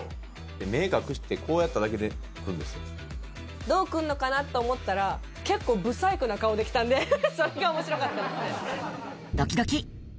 目隠して、こうやっただけで、どうくんのかな？と思ったら、結構、不細工な顔で来たんで、そこがおもしろかったですね。